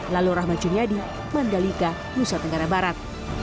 lalu rahmat juniadi mandalika nusa tenggara barat